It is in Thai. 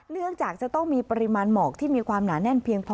เนื่องจากจะต้องมีปริมาณหมอกที่มีความหนาแน่นเพียงพอ